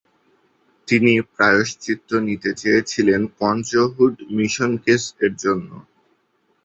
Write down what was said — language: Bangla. তিনি "প্রায়শ্চিত্ত" নিতে চেয়েছিলেন "পঞ্চ হুড মিশন কেস"-এর জন্য।